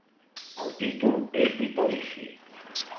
El títol és vitalici.